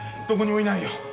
どこにもいないよ。